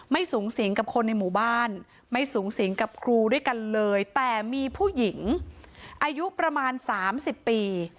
สูงสิงกับคนในหมู่บ้านไม่สูงสิงกับครูด้วยกันเลยแต่มีผู้หญิงอายุประมาณ๓๐ปี